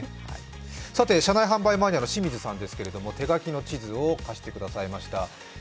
車内販売マニアの清水さんですけれども、手書きの地図を貸してくださいました。